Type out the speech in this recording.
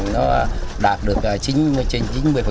nó đạt được trên chín mươi